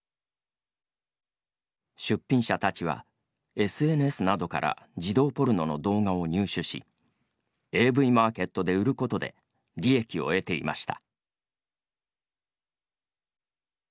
出品者たちはＳＮＳなどから児童ポルノの動画を入手しＡＶＭａｒｋｅｔで売ることで利益を得ていました。